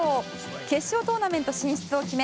決勝トーナメント進出を決め